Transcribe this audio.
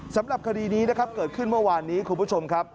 สำหรับคดีนี้นะครับเกิดขึ้นเมื่อวานนี้คุณผู้ชมครับ